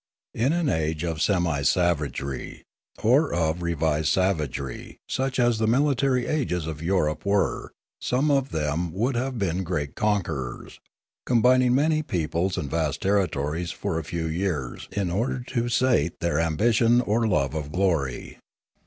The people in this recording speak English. In an age of semi savagery, or of revised savagery such as the military ages of Europe were, some of them would have been great conquerors, combining many peoples The Firla, or Electric Sense 139 and vast territories for a few years in order to sate their ambition or love of glory.